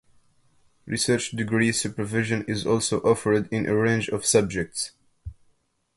Research Degree supervision is also offered in a range of subjects.